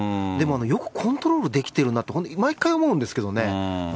でも、よくコントロールできてるなって毎回思うんですけどね。